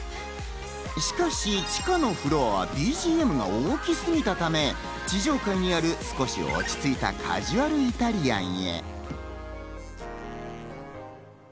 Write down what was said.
しかし地下のフロアはＢＧＭが大きすぎたため、地上階にある、少し落ち着いたカジュアルイタリアンへ。